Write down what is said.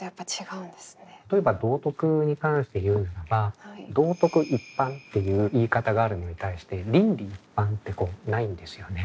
例えば道徳に関して言うならば道徳一般っていう言い方があるのに対して倫理一般ってないんですよね。